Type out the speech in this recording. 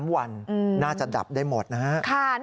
๓วันน่าจะดับได้หมดนะครับ